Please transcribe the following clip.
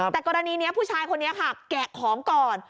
แต่กรณีนี้ผู้ชายคนนี้ค่ะแกะของก่อน